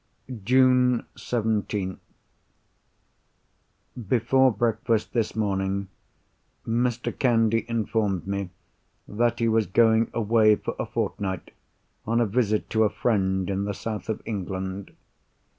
June 17th.—Before breakfast, this morning, Mr. Candy informed me that he was going away for a fortnight, on a visit to a friend in the south of England.